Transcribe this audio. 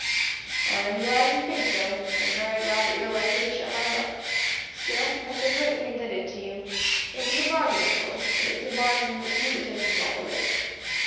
"I am glad you think so, and very glad that you are likely to share my luck; still, I feel greatly indebted to you. It was a bargain, of course, but it was a bargain in which you were taking all the risk.